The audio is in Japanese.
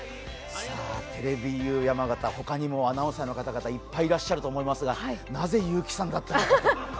テレビユー山形、他にもアナウンサーの方々いっぱいいらっしゃると思いますが、なぜ結城さんだったのか。